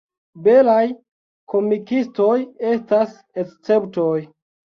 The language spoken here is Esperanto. Belaj komikistoj estas esceptoj.